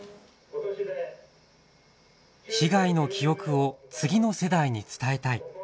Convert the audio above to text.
被害の記憶を次の世代に伝えたい。